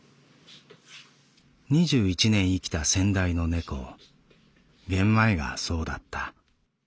二十一年生きた先代の猫ゲンマイがそうだった。